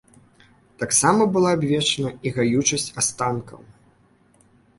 Таксама была абвешчана і гаючасць астанкаў.